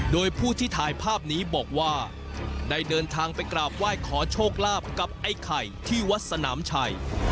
โดยผู้ที่ถ่ายภาพนี้บอกว่าได้เดินทางไปกราบไหว้ขอโชคลาภกับไอ้ไข่ที่วัดสนามชัย